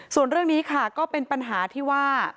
ส่วนเรื่องนี้ค่ะก็เป็นปัญหาที่ว่า